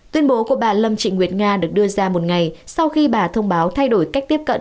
tuyên bố của bà lâm trịnh nguyệt nga được đưa ra một ngày sau khi bà thông báo thay đổi cách tiếp cận